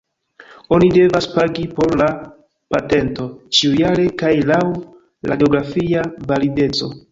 Oni devas pagi por la patento ĉiujare kaj laŭ la geografia valideco.